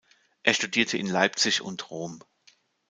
Er studierte in Leipzig und Rom.